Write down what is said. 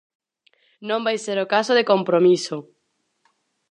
Non vai ser o caso de Compromiso.